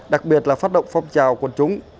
đặc biệt là phát động phong trào quần chúng